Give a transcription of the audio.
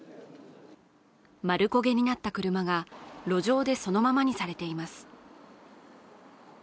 まるこげになった車が路上でそのままにされています。